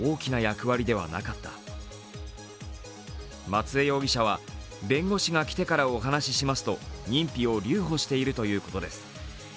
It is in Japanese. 松江容疑者は、弁護士が来てからお話ししますと、認否を留保しているということです。